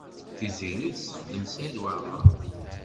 Tiziri tessexdem Saɛid Waɛmaṛ.